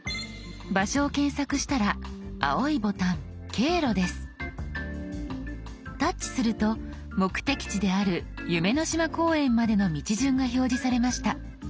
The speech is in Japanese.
場所を検索したら青いボタン「経路」です。タッチすると目的地である夢の島公園までの道順が表示されました。